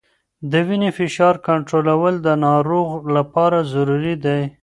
د وینې فشار کنټرول د ناروغ لپاره ضروري دی.